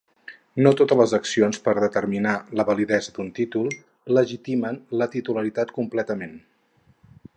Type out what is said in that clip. No totes les accions per determinar la validesa d'un títol "legitimen la titularitat" completament.